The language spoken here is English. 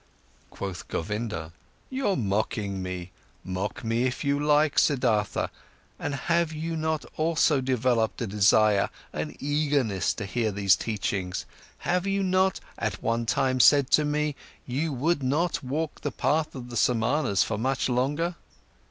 Quoth Govinda: "You're mocking me. Mock me if you like, Siddhartha! But have you not also developed a desire, an eagerness, to hear these teachings? And have you not at one time said to me, you would not walk the path of the Samanas for much longer?"